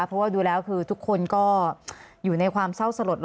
เพราะว่าดูแล้วคือทุกคนก็อยู่ในความเศร้าสลด